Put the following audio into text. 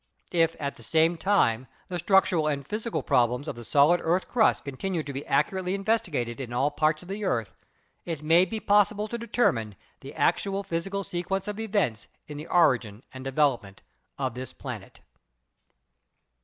If at the same time the structural and physical problems of the solid earth crust continue to be accurately investigated in all parts of the earth, it may be possible to determine the actual physical sequence of events in the origin and de velopment of this planet.